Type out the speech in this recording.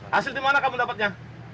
hasil di mana kamu dapatnya